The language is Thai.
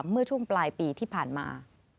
เมื่อช่วงปลายปีที่ผ่านมา